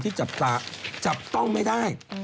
ที่จับต้องไม่ได้